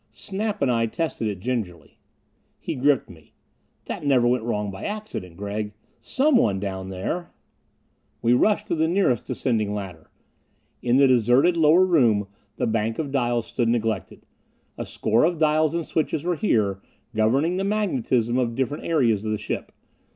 Snap and I tested it gingerly. He gripped me. "That never went wrong by accident, Gregg! Someone down there "We rushed to the nearest descending ladder. In the deserted lower room the bank of dials stood neglected. A score of dials and switches were here, governing the magnetism of different areas of the ship.